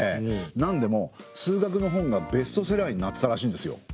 なんでも数学の本がベストセラーになってたらしいんですよ。